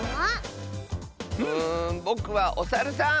うんぼくはおサルさん！